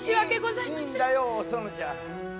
いいんだよお園ちゃん。